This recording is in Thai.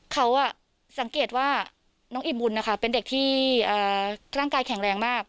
เขาสังเกตว่าน้องอิ่มบุญนะคะเป็นเด็กที่ร่างกายแข็งแรงมาก